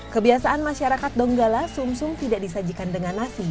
kebiasaan masyarakat donggala sum sum tidak disajikan dengan nasi